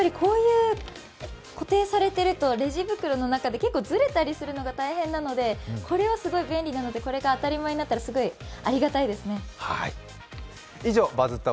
固定されているとレジ袋の中でずれたりするのが大変なのでこれはすごい便利なのでこれが当たり前になったらすごいありがたいですね。